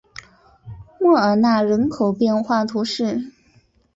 莫尔纳人口变化图示